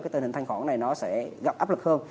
cái tình hình thanh khoản này nó sẽ gặp áp lực hơn